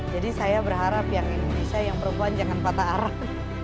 jadi saya berharap yang indonesia yang perempuan jangan patah arah